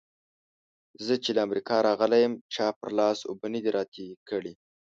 زه چې له امريکا راغلی يم؛ چا پر لاس اوبه نه دې راتېرې کړې.